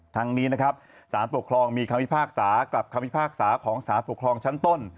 ทั้งนี้นะครับสารปกครองมีคำพิพากษากลับคำพิพากษาของสารปกครองชั้นต้น